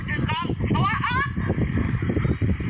โอ้โหเป็นเกิดขึ้นกันก่อนค่ะ